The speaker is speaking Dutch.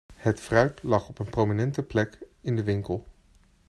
Het fruit lag op een prominente plek in de winkel.